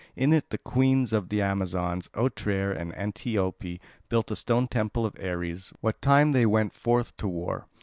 In it the Queens of the Amazons, Otrere and Antiope, built a stone temple of Ares what time they went forth to war.